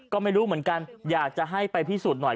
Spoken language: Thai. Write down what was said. ก็ไม่รู้เหมือนกันอยากจะให้ไปพิสูจน์หน่อย